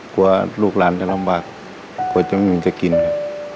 กลัวลูกหลานจะลำบากกลัวจะไม่มีจะกินครับ